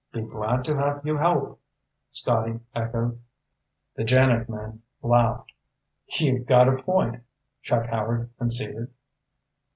"Be glad to have you help," Scotty echoed. The JANIG men laughed. "You've got a point," Chuck Howard conceded.